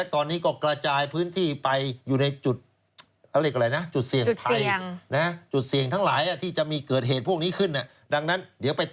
ตอนนี้ก็กระจายพื้นที่ไปอยู่ในจุดเสียงอาศัยไทย